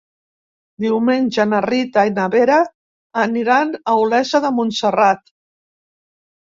Diumenge na Rita i na Vera aniran a Olesa de Montserrat.